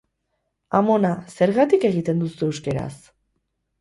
Amona, zergatik egiten duzu euskaraz?